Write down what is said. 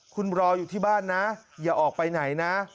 คุณรออยู่ที่บ้านนะอย่าออกไปไหนนะ